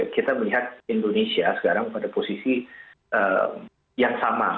kita melihat indonesia sekarang pada posisi yang sama